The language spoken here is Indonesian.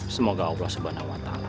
semoga allah subhanahu wa ta'ala